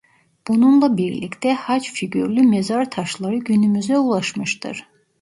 Bununla birlikte haç figürlü mezar taşları günümüze ulaşmıştır.